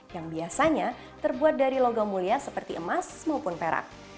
yang biasanya terbuat dari logam mulia seperti emas maupun perak